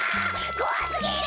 こわすぎる！